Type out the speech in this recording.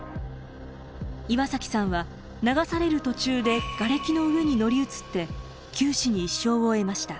岩崎さんは流される途中で瓦礫の上に乗り移って九死に一生を得ました。